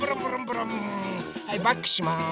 はいバックします。